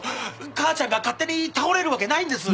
母ちゃんが勝手に倒れるわけないんです！